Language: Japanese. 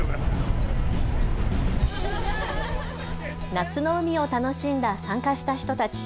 夏の海を楽しんだ参加した人たち。